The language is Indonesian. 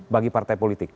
bagi partai politik